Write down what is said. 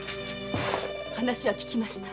話は聞きました。